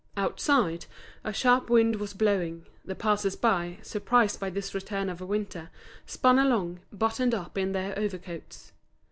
Outside, a sharp wind was blowing, the passers by, surprised by this return of winter, spun along, buttoned up in their overcoats.